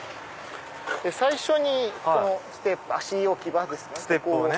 最初にステップ足置き場ですね。